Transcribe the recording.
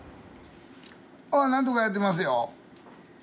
ああなんとかやってますよ。